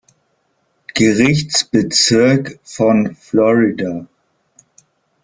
Gerichtsbezirk von Florida.